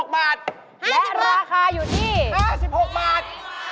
๖บาทและราคาอยู่ที่๕๖บาท